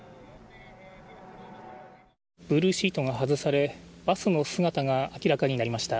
ブルーシートが外され、バスの姿が明らかになりました。